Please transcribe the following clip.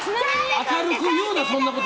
明るく言うな、そんなこと。